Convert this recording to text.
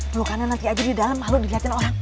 belum kanan lagi aja di dalam malu dilihatin orang